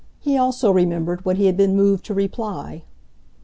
He also remembered what he had been moved to reply.